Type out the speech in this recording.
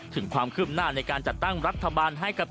ถึงความคืบหน้าในการจัดตั้งรัฐบาลให้กับ